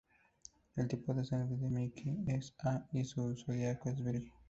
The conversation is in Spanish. El tipo de sangre de Miki es A, y su zodiaco es Virgo.